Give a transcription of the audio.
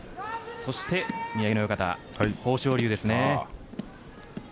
そして宮城野親方豊昇龍ですね。